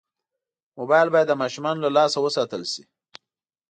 موبایل باید د ماشومانو له لاسه وساتل شي.